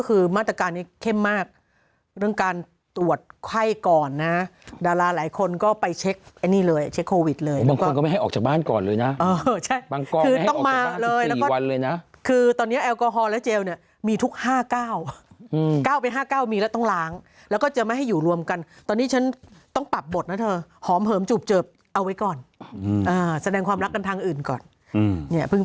คือมาตรการนี้เข้มมากเรื่องการตรวจไข้ก่อนนะดาราหลายคนก็ไปเช็คไอ้นี่เลยเช็คโควิดเลยบางคนก็ไม่ให้ออกจากบ้านก่อนเลยนะเออใช่บางคนคือต้องมาเลยแล้วก็คือตอนนี้แอลกอฮอล์และเจลเนี่ยมีทุกห้าเก้าเก้าเป็นห้าเก้ามีแล้วต้องล้างแล้วก็จะไม่ให้อยู่รวมกันตอนนี้ฉันต้องปรับบทนะเธอหอมเหิมจูบเจอบเอาไว้ก่อน